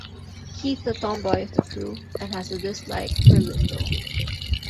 Keith The tomboy of the crew and has a dislike for Lindo.